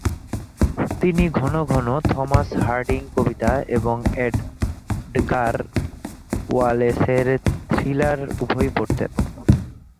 তিনি ঘন ঘন থমাস হার্ডির কবিতা এবং এডগার ওয়ালেসের থ্রিলার উভয়ই পড়তেন।